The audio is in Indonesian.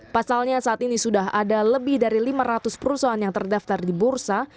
pasalnya saat ini sudah ada lebih dari lima ratus perusahaan yang terdaftar di bursa